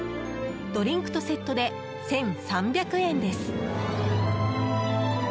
ドリンクとセットで１３００円です。